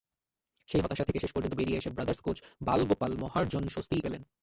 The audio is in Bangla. সেই হতাশা থেকে শেষ পর্যন্ত বেরিয়ে এসে ব্রাদার্স কোচ বালগোপাল মহারজন স্বস্তিই পেলেন।